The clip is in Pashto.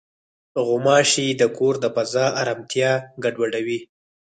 غوماشې د کور د فضا ارامتیا ګډوډوي.